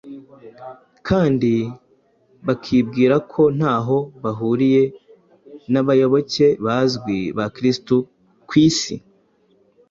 kandi bakibwira ko ntaho bahuriye n’abayoboke bazwi ba Kristo ku isi.